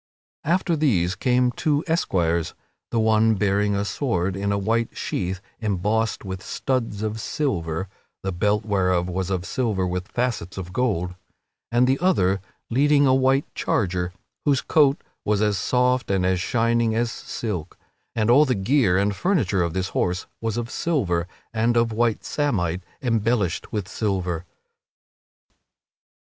After these came two other esquires, the one bearing a sword in a white sheath embossed with studs of silver (the belt whereof was of silver with facets of gold) and the other leading a white charger, whose coat was as soft and as shining as silk. And all the gear and furniture of this horse was of silver and of white samite embellished with silver.